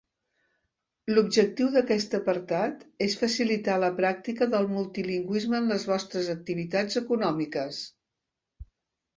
L'objectiu d'aquest apartat és facilitar la pràctica del multilingüisme en les vostres activitats econòmiques.